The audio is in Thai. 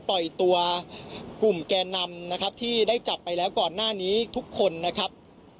ปล่อยตัวกลุ่มแก่นำนะครับที่ได้จับไปแล้วก่อนหน้านี้ทุกคนนะครับ